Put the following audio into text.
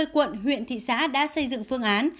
ba mươi quận huyện thị xã đã xây dựng phương án